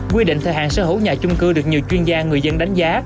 quy định thời hạn sở hữu nhà chung cư được nhiều chuyên gia người dân đánh giá